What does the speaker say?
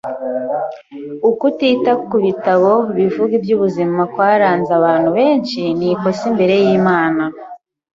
Ukutita ku bitabo bivuga iby’ubuzima kwaranze abantu benshi ni ikosa imbere y’Imana.